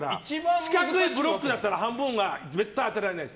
四角いブロックなら半分は絶対当てられないです。